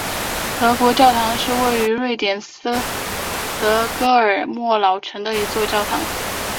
德国教堂是位于瑞典斯德哥尔摩老城的一座教堂。